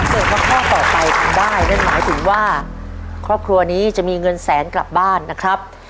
เปิดมาข้อต่อไปทำได้นั่นหมายถึงว่าครอบครัวนี้จะมีเงินแสนกลับบ้านนะครับ